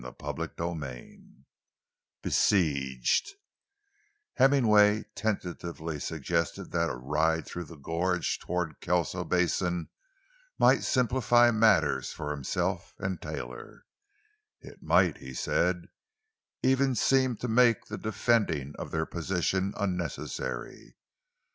CHAPTER XXVII—BESIEGED Hemmingway tentatively suggested that a ride through the gorge toward the Kelso Basin might simplify matters for himself and Taylor; it might, he said, even seem to make the defending of their position unnecessary.